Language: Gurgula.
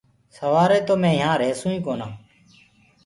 سوآري تو مي يهآنٚ ريهسوئيٚ ڪونآ